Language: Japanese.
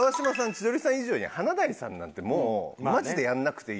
千鳥さん以上に華大さんなんてもうマジでやらなくていいし。